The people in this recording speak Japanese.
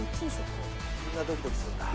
こんなドキドキするんだ。